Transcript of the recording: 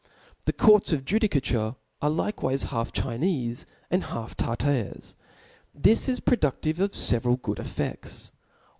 The courts of judicature are likewife half Ghinefc, and half Tartars. This is produc * tiyt pf fevcral good efifef)^ \.